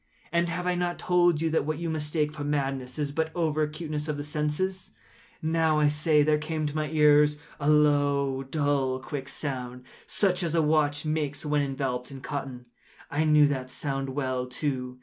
And have I not told you that what you mistake for madness is but over acuteness of the sense?—now, I say, there came to my ears a low, dull, quick sound, such as a watch makes when enveloped in cotton. I knew that sound well, too.